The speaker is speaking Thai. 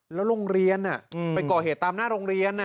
แล้วโรงเรียนไปก่อเหตุตามหน้าโรงเรียน